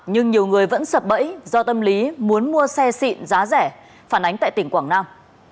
nhưng nhiều người vẫn sập bẫy do tâm lý muốn mua xe xịn giá rẻ phản ánh tại tỉnh quảng nam